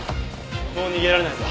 もう逃げられないぞ。